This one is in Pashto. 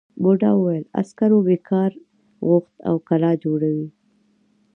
بوڊا وویل عسکرو بېگار غوښت او کلا جوړوي.